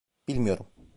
Bilmiyorum